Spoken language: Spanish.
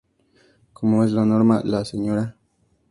Como es la norma, la Sra.